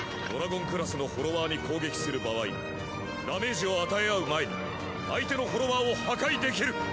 ドラゴンクラスのフォロワーに攻撃する場合ダメージを与え合う前に相手のフォロワーを破壊できる。